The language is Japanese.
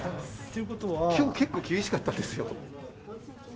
きょう、結構厳しかったですよ。